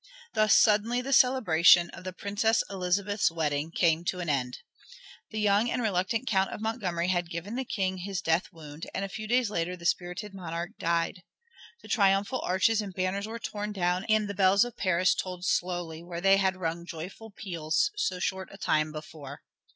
Thus suddenly the celebrations of the Princess Elizabeth's wedding came to an end. The young and reluctant Count of Montgomery had given the King his death wound, and a few days later the spirited monarch died. The triumphal arches and banners were torn down, and the bells of Paris tolled slowly where they had rung joyful peals so short a time before.